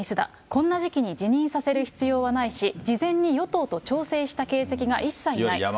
こんな時期に辞任させる必要はないし、事前に与党と調整した形跡が一切ない。